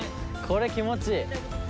これ気持ちいい。